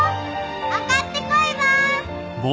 上がってこいばー。